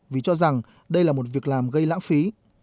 vì cho rằng đây là một việc làm gây lãng phí